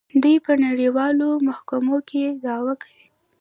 دوی په نړیوالو محکمو کې دعوا کوي.